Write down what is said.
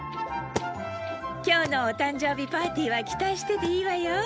今日のお誕生日パーティーは期待してていいわよ。